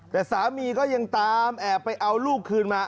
แต่สามีก็ยังตามแอบไปเอาลูกคืนมา